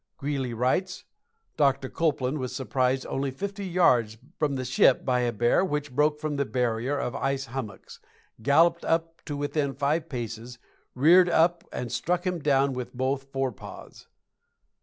Greely writes: "Doctor Copeland was surprised only fifty yards from the ship by a bear which broke from a barrier of ice hummocks, galloped up to within five paces, reared up and struck him down with both forepaws.